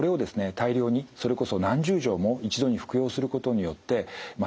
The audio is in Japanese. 大量にそれこそ何十錠も一度に服用することによってまあ